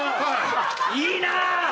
いいなぁ。